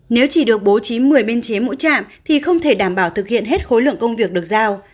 nếu chỉ được bố trí một mươi biên chế mỗi trạm thì không thể đảm bảo thực hiện hết khối lượng công việc được giao